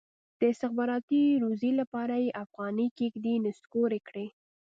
د استخباراتي روزۍ لپاره یې افغاني کېږدۍ نسکورې کړي.